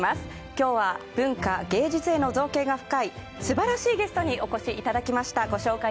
今日は文化・芸術への造詣が深い素晴らしいゲストにお越しいただきました。